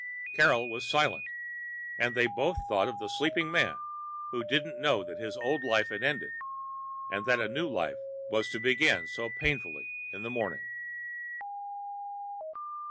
Carol was silent, and they both thought of the sleeping man who didn't know that his old life had ended and that a new life was to begin so painfully in the morning.